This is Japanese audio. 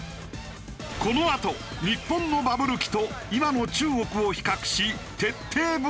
このあと日本のバブル期と今の中国を比較し徹底分析！